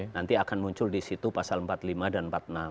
nanti akan muncul di situ pasal empat puluh lima dan empat puluh enam